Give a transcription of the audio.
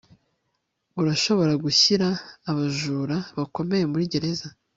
urashobora gushira abajura bakomeye muri gereza